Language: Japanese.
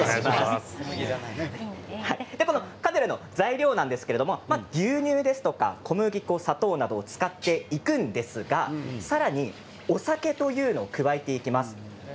カヌレの材料なんですけれども牛乳ですとか小麦粉、砂糖などを使っていくんですがさらに、お酒というのを加えていきます。